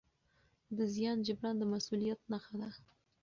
د زیان جبران د مسؤلیت نښه ده.